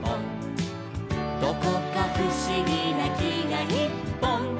「どこかふしぎなきがいっぽん」